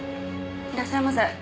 いらっしゃいませ。